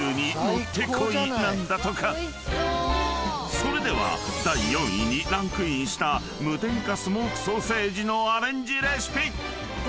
［それでは第４位にランクインした無添加スモークソーセージのアレンジレシピ］